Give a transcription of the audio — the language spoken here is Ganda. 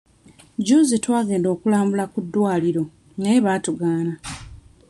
Jjuuzi twagenda okulambula ku malwaliro naye baatugaana.